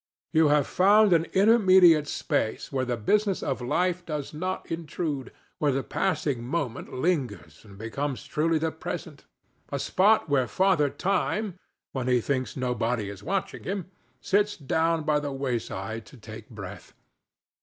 You have found an intermediate space where the business of life does not intrude, where the passing moment lingers and becomes truly the present; a spot where Father Time, when he thinks nobody is watching him, sits down by the wayside to take breath.